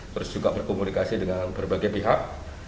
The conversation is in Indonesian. terus juga berkomunikasi dengan berbagai pihak